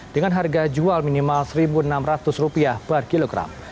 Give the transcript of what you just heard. dengan harga jual minimal rp satu enam ratus per kilogram